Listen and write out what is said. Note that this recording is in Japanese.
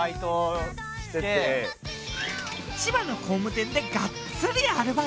千葉の工務店でがっつりアルバイト。